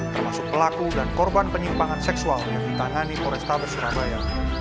termasuk pelaku dan korban penyimpangan seksual yang ditangani polrestabes surabaya